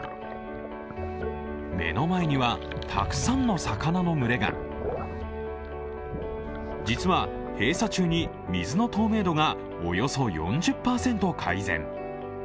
目の前には、たくさんの魚の群れが実は、閉鎖中に水の透明度がおよそ４０％改善。